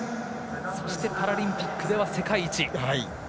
そしてパラリンピックでは世界一。